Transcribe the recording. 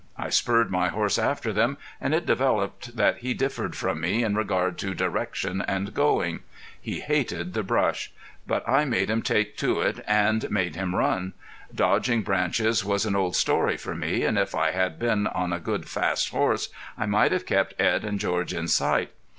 I spurred my horse after them, and it developed that he differed from me in regard to direction and going. He hated the brush. But I made him take to it and made him run. Dodging branches was an old story for me, and if I had been on a good fast horse I might have kept Edd and George in sight.